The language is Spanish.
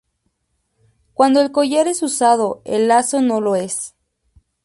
Cuando el collar es usado el lazo no lo es.